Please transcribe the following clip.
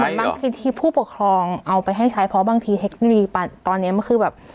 คือเหมือนบางทีผู้ปกครองเอาไปให้ใช้เพราะบางทีเทคนิคตอนเนี้ยมันคือแบบ